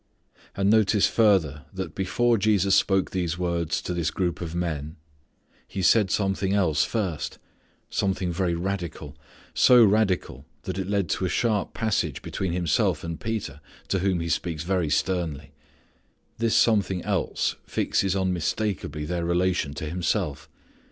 And notice further that before Jesus spoke these words to this group of men He had said something else first. Something very radical; so radical that it led to a sharp passage between Himself and Peter, to whom He speaks very sternly. This something else fixes unmistakably their relation to Himself.